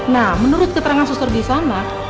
nah menurut keterangan suster di sana